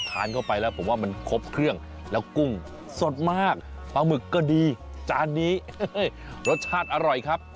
ทานเข้าไปแล้วผมว่ามันครบเครื่องแล้วกุ้งสดมากปลาหมึกก็ดีจานนี้รสชาติอร่อยครับ